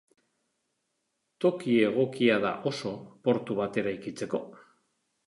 Toki egokia da oso portu bat eraikitzeko.